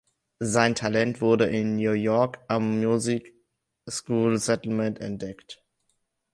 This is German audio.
Sein Talent wurde in New York am Music School Settlement entdeckt.